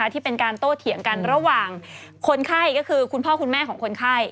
ที่เป็นการโตเถียงกันระหว่างคุณพ่อคุณแม่ของคนไข้